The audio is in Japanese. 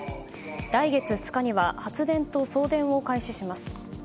来月２日には発電と送電を開始します。